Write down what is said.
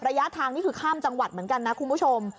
ระยะทางนี่คือข้ามจังหวัดเหมือนกันนะคุณผู้ชม